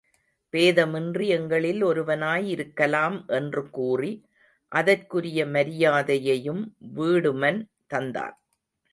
பேத மின்றி எங்களில் ஒருவனாய் இருக்கலாம் என்று கூறி அதற்குரிய மரியாதையையும் வீடுமன் தந்தான்.